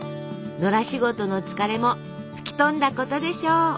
野良仕事の疲れも吹き飛んだことでしょう！